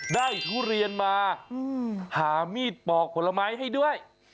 ทุเรียนมาหามีดปอกผลไม้ให้ด้วย